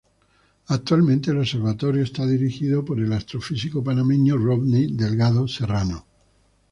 Actualmente el observatorio es dirigido por el astrofísico panameño Rodney Delgado Serrano.